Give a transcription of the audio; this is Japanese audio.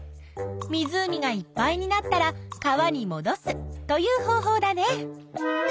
湖がいっぱいになったら川にもどすという方法だね。